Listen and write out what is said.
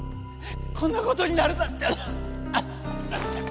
こんなことになるなんて。